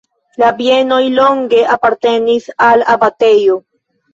La bienoj longe apartenis al abatejo.